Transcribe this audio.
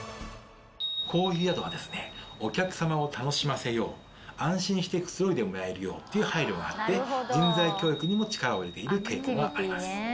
こういう宿はですねお客さまを楽しませよう安心してくつろいでもらえるようという配慮があって人材教育にも力を入れている傾向があります。